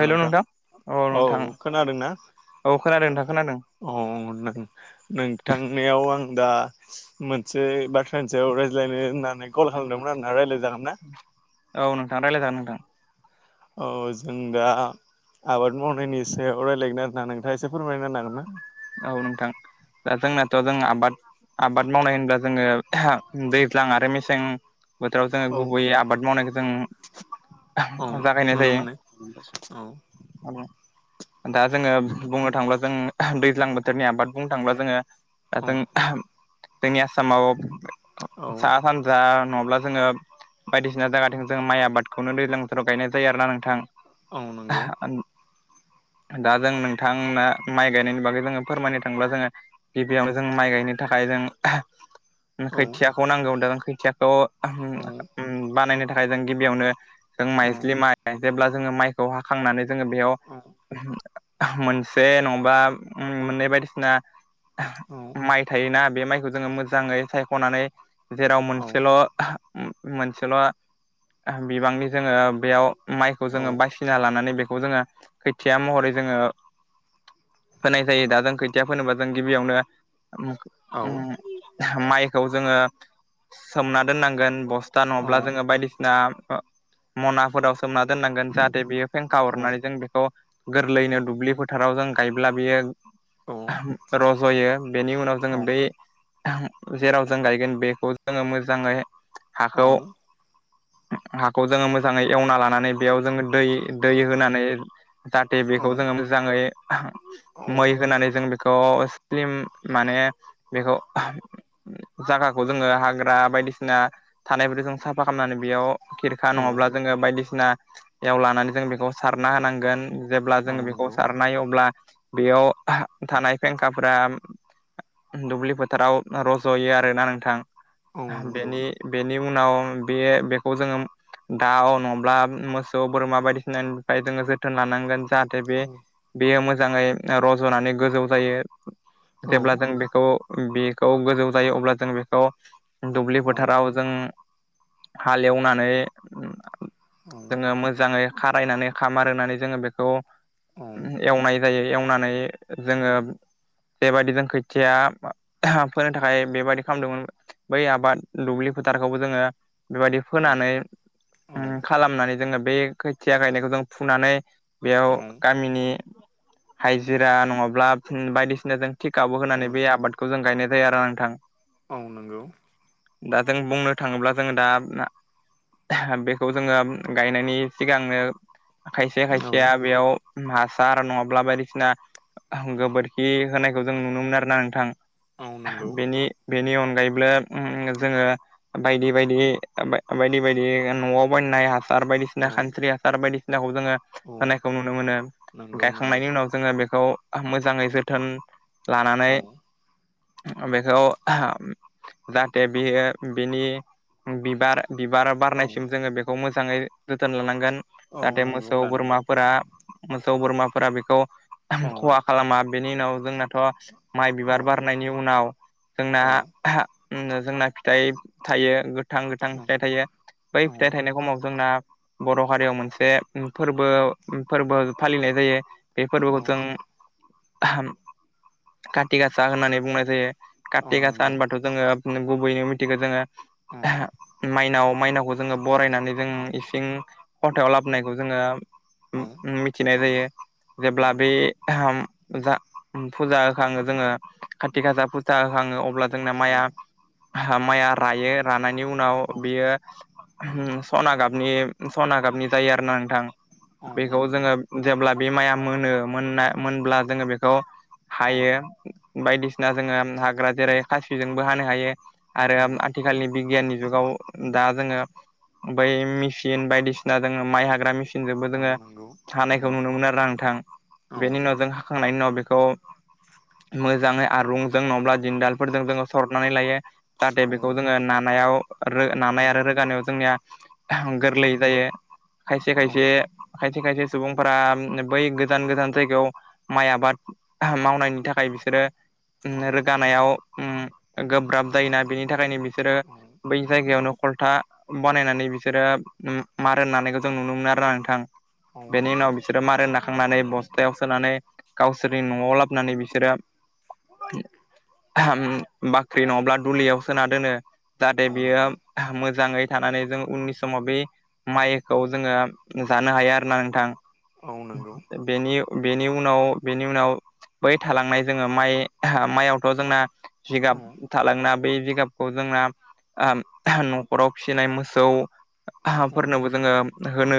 हेल नोंथां औ नोंथां औ खोनादों। नोंथां खोनादों अ न नोंथांनायाव आं दा मोनसे बाथ्रानि सायाव रायज्लायनो होननानै कल खालामदोंमोन आरोना रायज्लाय जागोन ना। औ नोंथां रायज्लाय जागोन नोंथां। औ जों दा आबाद मावनायनि सायाव राय्लायगोन आरोना नोंथाङा एसे फोरमायना होनो हागोनना? औ दा जोंनाथ जों आबाद आबाद मावनाय होनब्ला जोङो दैज्लां आरो मेसें बोथोराव जोङो हागोन गुबैयै आबाद मावनायखौ जों ना औ जागायनाय नुनो जायो मोनो औ दा जोङो बुंनो थांब्ला जों दैज्लां बोथोरनि आबाद बुंनो थांङोब्ला जोङो। औ जों जोंनि आसामाव औ सा सानजा नङाब्ला। जोङो बायदिसिना जायगाथिं जोङो माइ आबादखौनो दैज्लां बोथोराव गायनाय जायो आरोना नोंथां। औ नोंगौ। दा जों नोंथांनो। माइ गायनायनि बागै जोङो फोरमायनो थांङोब्ला जोङो गिबियावनो जों माइ गायनो थाखाय जों। औ खोथियाखौ नांगौ दा जों खोथियाखौ औ बानायनो थाखाय जों गिबियावनो जों औ माइज्लि माइ जेब्ला जोङो माइखौ हाखांनानै जोङो बेयाव औ मोनसे नङाबा मोननै बायदिसिना औ माइ थायोना। बे माइखौ जोङो मोजाङै सायख'नानै जेराव औ मोनसेल' मोनसेल' बिबांनि जोङो बेयाव माइखौ जोङो बासिना लानानै बेखौ खौ जोङो खैथिया महरै जोङो फोनाय जायो दा जों खोथिया फोनोबा जों गिबियावनो माइखौ जोङो सोमना दोननांगोन बस्था नङाब्ला जोङो बायदिसिना मना फोराव। सोमना दोननांगोन जाहाथे बेयो फेंखा हरनानै जों बेखौ गोरलैयैनो दुब्लि फोथाराव जों। गायब्ला बियो रज'यो बेनि उनाव जोङो बै जेराव जों गायगोन बेखौ जोङो मोजाङै हाखौ हाखौ जोङो मोजाङै एवना लानानै बेयाव जोङो दै दै होनानै। जाहाथे बेखौ जोङो मोजाङै मै औ होनानै जों बे। खौ स्लिम माने बेखौ जागाखौ जोङो हाग्रा बाय बायदिसिना थानायफोर जों साफा खालामनानै बेयाव खिरखा औ नङाब्ला जोङो बायदिसिनायाव लानानै जों बेखौ सारना होनांगोन। जेब्ला जोङो औ बेखौ नंगौ सारनाय अब्ला बेयाव थानाय फेंखाफोरा। दुब्लि फोथाराव रज'यो आरोना नोंथां औ नंगौ बेनि बेनि उनाव बे बेखौ जोङो। दाव नङाब्ला मोसौ बोरमा बायदिसिनानिफ्राय जोङो जोथोन लानांगोन। जाहाथे बे औ बेयो मोजाङै रज'नानै गोजौ जायो। औ जेब्ला जों बेखौ बेखौ गोजौ जायो अब्ला जों बेखौ। दुब्लि औ फोथाराव जों हालेवनानै जोङो मोजाङै खारायनानै खामार होननानै जोङो बेखौ औ एवनाय जायो एवनानै जोङो। जेबायदि जों खैथिया फोनो थाखाय बेबायदि खालामदोंमोन बै आबाद दुब्लि फोथार। खौबो जोङो बेबायदि औ फोनानै ओ खालामनानै जोङो बे खोथिया गायनायखौ जों फुनानै। बेयाव गामिनि हाइजिरा नङाब्ला [unintelligible] बायदिसिना जों थिकाबो औ होनानै बे आबादखौ जों गायनाय जायो आरो नोंथां। औ नोंगौ दा जों बुंनो थाङोब्ला जों दा बेखौ जोङो गायनायनि सिगांनो खायसे औ खायसेया बेयाव मास सार नङाब्ला बायदिसिना गोबोरखि होनायखौ जों नुनो मोन आरोना नोंथां। औ नंगौ बेनि बेनि अन ब्लो उम जोङो बायदि बायदि बायदि बायदि न'आव बायनाय हास। सार औ बायदिसिना खानस्रि हासार बायदिसिनाखौ जोङो औ होनायखौ नुनो मोनो नंगौ नंगौ गायखांनायनि उनाव जोङो बेखौ मोजाङै जोथोन औ लानानै। बेखौ [unintelligible] जाहाथे बियो बिनि बिबार बिबार औ बारनायसिम जोङो बेखौ मोजाङै जोथोन लानांगोन। औ जाहाथे नंगौ मोसौ लानांगौ बोरमाफोरा मोसौ बोरमाफोरा बेखौ औ खहा खालामा। बेनि उनाव जोंनाथ' माइ बिबार बारनायनि उनाव जोंना औ आहा उम जोंना फिथाइ थायो गोथां गोथां औ फिथाइ थायो बै फिथाइ थाइनाय समाव जोंना बर' हारियाव मोनसे फोरबो फोरबो फालिनाय जायो बे औ फोरबोखौ जों [unintelligible] काति गासा होननानै बुंनाय जायो औ काति गासा नंगौ होनबाथ' जोङो गुबैयैनो मिथिगो जोङो औ [unintelligible] माइनाव मायनाव जोंओ बरायनानै जों इसिं खन्थायाव लाबोनायखौ जोङो औ नु नु मि थिनाय नंगौ जायो जेब्ला नंगौ बै [unintelligible] जा फुजा होखाङो जोङो औ खाति गासा फुजा होखाङो अब्ला जोंना माइया [unintelligible] माइया रायो रानायनि उनाव औ बियो औ उम सना गाबनि सना गाबनि जायो आरोना नोंथां औ बेखौ नंगौ जोङो जेब्ला बि माइया मोनो मोन मोनब्ला जोङो बेखौ औ हायो बायदिसिना सिना जोङो हाग्रा जेरै खासिजोंबो हानो हायो आरो औ आथिखालनि बिगियाननि जुगाव दा जोङो बै मेसिन बायदिसिना जोङो माइ हाग्रा मेसिन जोंबो औ जोङो नंगौ औ हानायखौ नुनो मोन आरो आंथां औ बेनि उनाव जों हाखांनायनि उनाव बेखौ मोजाङै आरुंजों नङाब्ला दिनन्दालफोरजों जोङो सरनानै लायो जाहाथे बेखौ जोङो नानायाव रो औ नानाय आरो रोगानायाव जोंनिया आह गोरलै जायो खायसे औ खायसे खायसे खायसे सुबुंफोरा बै गोजान गोजान जायगायाव माइ आबाद [unintelligible] मावनायनि थाखाय बिसोरो औ रोगानायाव उम गोब्राब जायोना बेनि थाखायनो बिसोरो औ बै जायगायावनो खलथा बनायनानै बिसोरो मार होनानायखौ जों नुनो मोनो आरोना नोंथां औ बेनि नंगौ उनाव बिसोरो मारोना खांनानै बस्थायाव सोनानै गावसोरनि न'आव लाबोनानै बिसोरो [unintelligible] बाख्रि नङाब्ला दुलियाव सोना दोनो जाहाते औ बियो नंगौ मोजाङै थानानै जों उननि समाव बे माइखौ औ जोङो जानो हायो आरोना नोंथां औ नंगौ बेनि बेनि उनाव बेनि उनाव बै थालांनाय जोङो माइ माइयावथ' जोंना औ जिगाब थालांना बै जिगाबखौ जोंना न'खराव फिसिनाय मोसौ औ हा फोरनोबो जोङो होनो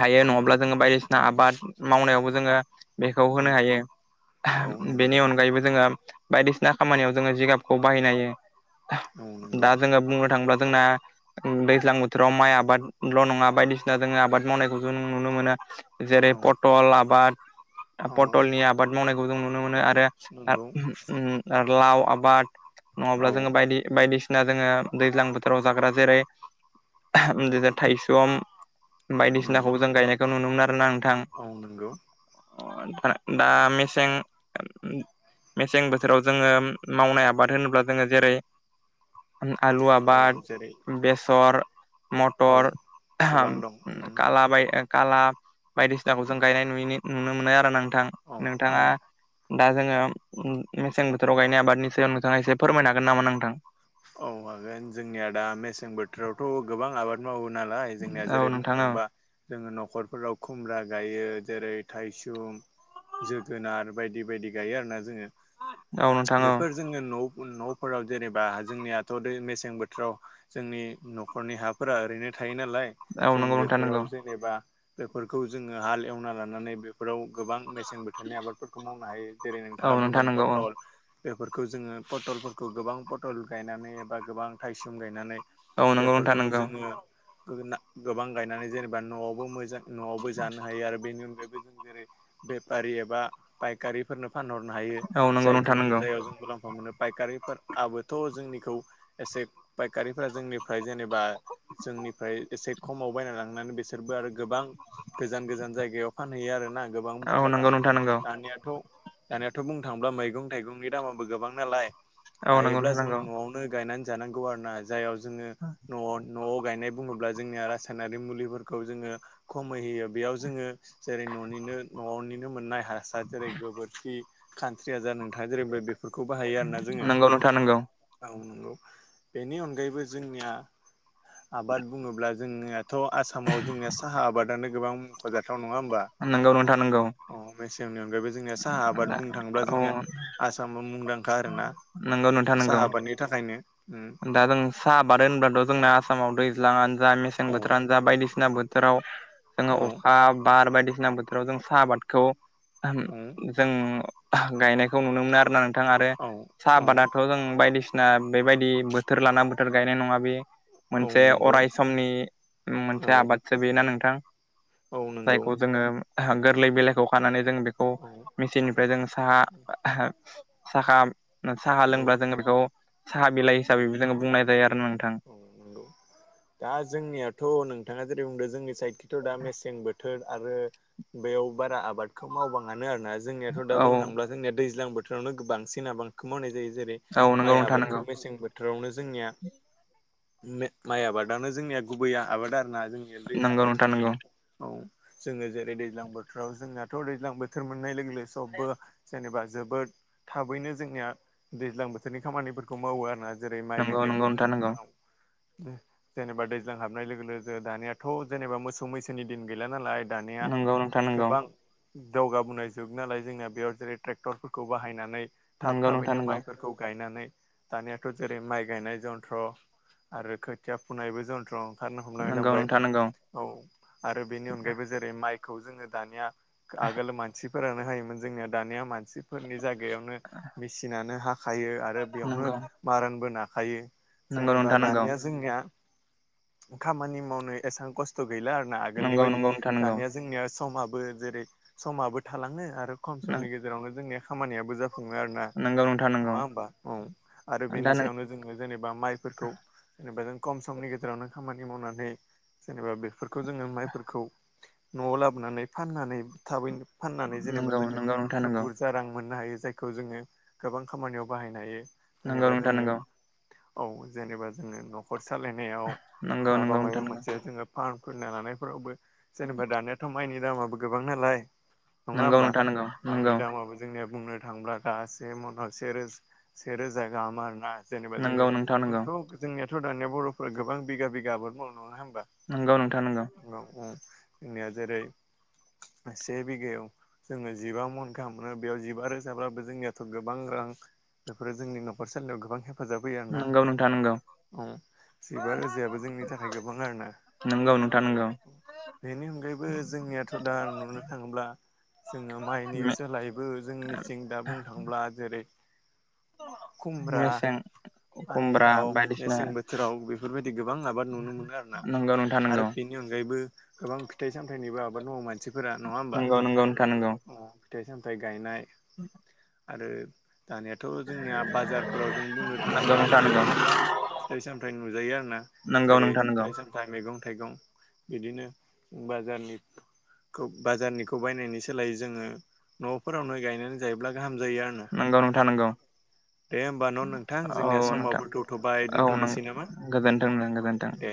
हायो नङाब्ला जोङो बायदिसिना आबाद मावनायावबो जोङो औ बेखौ होनो हायो औ नंगौ बेनि अनगायैबो जोङो बायदिसिना खामानियाव जोङो जिगाबखौ बाहायनाय हायो औ नंगौ दा जोङो बुंनो थाङोब्ला जोंना दैज्लां बोथोराव माइ आबादल' नङा बायदिसिना जों आबाद मावनाय नुनो मोनो जेरै औ पटल आबाद औ पटलनि आबाद मावनायखौ जों नुनो मोनो आरो नंगौ ओम लाव आबाद नङाब्ला औ जोङो बायदि बायदिसि ना जोङो दैज्लां बोथोराव जाग्रा जेरै थायसम बायदिसिनाखौ जों गायनायखौ नुनो मोन आरोना नोंथां आं नंगौ दा मेसें मेसें बोथोराव जोङो मावनाय आबाद होनोब्ला जोङो जेरै आलु औ आबाद जेरै बेसर औ मटर गोबां दं उम खाला बाय खाला बायदिसिनाखौ जों गायनाय नुयो नुनो मोनो आरो ना नोंथां औ नोंथाङा उम दा जोङो मेसें बोथोराव गायनाय आबादनि सायाव नोंथाङा एसे फोरमायनो हागोन नामा नोंथां औ हागोन जोंनिया दा मेसें बोथोरावथ' गोबां आबाद मावो नालाय जोंनिया औ जेरै बुंनो नोंथां औ थांबा जोंओ नखरफोराव खुमब्रा गायो जेरै थायसुम जोगोनार बायदि बायदि गायो आरो ना जोङो औ नोंथां औ बेफोर जोङो न' न'फोराव जेनेबा जोंनियाथ' दै मेसें बोथोराव जोंनि न'खरनि हाफोरा ओरैनो थायो नालाय औ जों नंगौ नोंथां नंगौ बेफोराव जेनेबा बेफोरखौ जोङो हाल एवना लानानै बेफोराव गोबां मेसें बोथोरनि आबादफोरखौ मावनो हायो जेरै औ नोंथाङा नोंथां बुंदों नंगौ पटल बेफोरखौ जोङो पटलफोरखौ गोबां पटल गायनानै एबा गोबां थायसुम गायनानै औ नंगौ नोंथां नंगौ। गोनां गोबां गायनानै जेनेबा न'आवबो मोजां न'आवबो जानो हायो आरो बेनि अनगायैबो जेरै बेफारि एबा फायखारिफोरनो फानहरनो हायो औ नंगौ जायखौ नोंथां जों नंगौ जायाव जों मुलाम्फा मोनो फायखारिफोर आबोद जोंनि खौ एसे फयखारिफोरा जोंनि फ्राय जेनेबा जोंनिफ्राय एसे खमाव बाय नालांनानै बिसोरबो आरो गोबां गोजान गोजान जायगायाव फानहैयो आरोना। गोबां औ बुरजा नंगौ दामाव नोंथां नंगौ दानियाथ' दानियाथ' बुंनो थांङोब्ला मैगं थाइगंनि दामाबो गोबां नालाय। औ नंगौ नोंथां नंगौ। जो न'आवनो गायनानै जानांगौ आरो ना जायाव जोङो न'आव न'आव गायनाय बुङोब्ला जोंनिया रासायनारि मुलिफोरखौ जोङो खमै होयो बेयाव जोङो जेरै न'निनो न'निनो मोननाय हासार जेरै गोबोरखि खानस्रिया जा नों था जेरैबो बेफोरखौ बाहायो आरोना जोङो। नंगौ नोंथां नंगौ औ नंगौ बेनि अनगायैबो जोंनिया आबाद बुङोब्ला जोंनिया थ' आसामाव जोंनिया साहा आबादानो गोबां मख'जाथाव। नंङा होमबा नंगौ नोंथां नंगौ नोंथां नंगौ अ मेसेंनि अनगायैबो जों साहा आबाद बुंनो थांङोब्ला औ जोंनिया आसामा मुंदांखा आरोना। नंगौ नोंथां साहा नंगौ आबादनि थाखायनो। उम दा जों साहा आबाद होनबाथ' जोंना आसामाव दैज्लांआनो जा मेसें औ बोथोरानो जा बायदिसिना बोथोर बोथोराव जोङो औ अखा बार बायदिसिना बोथोराव जों साहा आबादखौ औ जों गायनायखौ नुनो मोनो आरोना नों थां आरो औ साहा औ आबादाथ' जों बायदिसिना बेबायदि बोथोर लाना बोथोर गायनाय नङा बि औ मोनसे नंगौ अराय समनि औ मोनसे आबादसो बेयो ना नोंथां? औ नंगौ जायखौ जोङो गोरलै बिलाइखौ खानानै जों बेखौ औ मेचिननिफ्राय जों साहा साहा साहा औ लोंब्ला जोङो बेखौ साहा बिलाइ हिसाबै जोङो बुंनाय औ जायो आरो ना नोंथां। औ नंगौ दा जोंनियाथ' नोंथाङा जेरै बुंदों जोंनि साइड दा मेसें बोथोर आरो बेयाव बारा आबादखौ मावबाङानो आरोना जोंनियाथ' दा औ बुंनो थाङोब्ला जोंनिया दैज्लां बोथोरावनो बांसिन आबादखौ मावनाय जायो जेरै औ नंगौ माइ नोंथां नंगौ आबादखौ मेसें बोथोरावनो जोंनिया माइ आबादनो जोंनिया गुबैया आबाद आरोना जों निया दैज्लां नंगौ नोंथां बोथोरनि नंगौ औ। जोङो जेरै दैज्लां बोथोराव जोंनाथ' दैज्लां बोथोर मोननाय लोगो लोगो सबबो जेनेबा जोबोद थाबैनो जोंनिया दैज्लां बोथोरनि खामानिफोरखौ मावो आरोना। जेरै- माइ नंगौ गायनायखौ नंगौ बुंनो नोंथां नंगौ थांङोब्ला औ। जेनेबा दैज्लां हाबनाय लोगो लोगो दानियाथ' जेनेबा मोसौ मैसोनि दिन गैला नालाय। दानिया नंगौ नोंथां नंगौ गोबां दावगाबोनाय जुग नालाय जोंना बेयाव जेरै ट्रेक्टरफोरखौ बाहायनानै। थाब नंगौ नोंथां थाबैनो नंगौ माइफोरखौ गायनानै। दानियाथ' जेरै माइ गायनाय जन्थ्र आरो खोथिया फुनायबो जन्थ्र आरोनो हमनानै नंगौ लांबाय नोंथां नंगौ औ आरो बेनि अनगायैबो जेरै माइखौ जोङो दानिया आगोल मानसिफोरानो हायोमोन जोंनिया दानिया मानसिफोरनि जायगायावनो मेसिनानो हाख खायो आरो बेयावनो नंगौ मारोनबो नाखायो नंगौ जेनेबा नोंथां नंगौ दानिया जोंनिया खामानि मावनो एसेबां खस्थ' गैला आर ना आगोलनि नंगौ नंगौ बायदि नोंथां दानिया जोंनिया। समाबो जेरै- समाबो थालांनो आरो खम नंगौ समनि गेजेरावनो जोंनिया खामानियाबो जाफुं ङो आरोना। नंगौ नोंथां नंगौ नङा होमबा औ आरो दा बेनि नों सायावनो जोङो जेनेबा माइफोरखौ जेनेबा जों। खम समनि गेजेरावनो खामानि मावनानै जेनेबा बेफोरखौ जोङो माइफोरखौ न'आव लाबोनानै फाननानै थाबैनो फाननानै जेनेबा नंगौ नंगौ नोंथां जोङो नंगौ बुरजा रां मोननो हायो। जायखौ जोङो गोबां खामानियाव बाहायनो हायो। नंगौ जेनेबा नोंथां जोङो नंगौ। औ। जेनेबा जोङो न'खर सालायनायाव नंगौ माबा माबा मोनसे नंगौ जोङो फार्म खुलिना लानायफोरावबो जेनेबा दानियााथ' माइनि दामाबो गोबां नालाय नङा होमबा। नोंथां नंगौ माइनि दामाबो जोंनिया बुंनो थांब्ला दासे मनाव सेरोजा गाहाम आरोना? जेनेबा जोङो नंगौ नोंथां नंगौ जोंथ' जोंनियाथ' दानिया बर'फोरा गोबां बिगा बिगा आबाद मावो नङा होनबा! नंगौ नोंथां नंगौ। जोंनिया जेरै से बिघायाव जोङो जिबा मन गाहाम मोनो बेयाव जिबा रोजाबाबो जोंनियाथ' गोबां रां बेफोरो जोंनि न'खरसालियाव गोबां हेफाजाब होयो आरोना? नंगौ नोंथां नंगौ जिरोजा फुजायाबो जोंनि थाखाय गोबां आरोना? नंगौ नोंथां नंगौ नोंथां नंगौ बेनि अनगायैबो जोंनियाथ' दा नुनो थाङोब्ला जोङो माइनि सोलायबो जोंनिथिं दा बुंनो थांब्ला जेरै- खुमब्रा, मेसें खुमब्रा पानिलाव बायदिसिना मेसें बोथोराव बेफोरबायदि गोबां आबाद नुनो मोनो आरोना नंगौ नोंथां आरो नंगौ बेनि अनगायैबो गोबां फिथाइ सामथायाइनिबो आबाद मावो। मा मानसिफोरा नङा होमबा? नंगौ नंगौ अ फिथाइ सामथाइ गायनाय। औ। आरो दानियााथ' जोंनिया बाजारफोराव जों बुंनो नंगौ थाङोब्ला नोंथां नंगौ गोबां फिथाइ सामथायाइ नुजायो आरोना? नंगौ जेरै नोंथां नंगौ फिथाइ सामथाइ मैगं थाइगं बिदिनो बाजारनि बाजारनिखौ बायनायनि सोलायै जोङो न'फोरावनो गायनानै जायोब्ला गाहाम खामजायो आरो ना? नंगौ नोंथां नंगौ दे होमबा न' नोंथां औ जोंनिया नोंथां समावो दौथ'बाय दोनथ'नोसै नामा? ओं गोजोनथों। दे